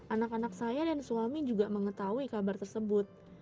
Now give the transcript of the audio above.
anak anak saya dan suami juga mengetahui kabar tersebut